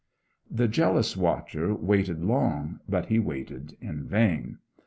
The jealous watcher waited long, but he waited in vain.